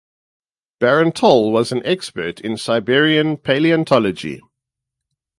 Baron Toll was an expert in Siberian palaeontology.